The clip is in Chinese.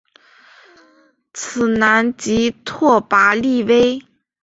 此男即拓跋力微。